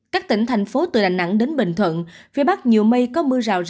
các tỉnh thành phố từ đà nẵng đến bình thuận phía bắc nhiều mây có mưa rào